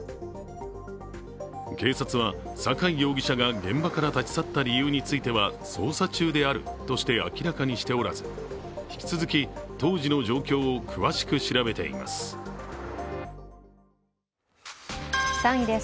警察は、酒井容疑者が現場から立ち去った理由については捜査中であるとして明らかにしておらず引き続き、当時の状況を詳しく調べています。